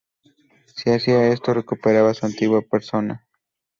Si hacía esto, recuperaba su antigua persona.